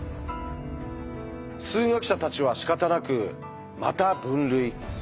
数学者たちはしかたなくまた分類。